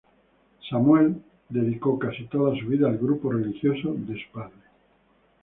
Samuel dedicó casi toda su vida al grupo religioso de su padre.